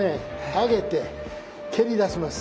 上げて蹴りだします。